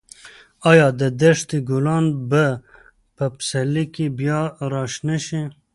ایا د دښتې ګلان به په پسرلي کې بیا راشنه شي؟